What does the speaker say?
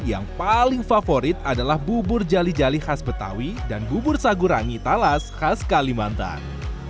yang paling favorit adalah bubur jali jali khas betawi dan bubur sagurangi talas khas kalimantan